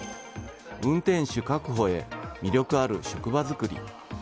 運転手確保へ魅力ある職場作り。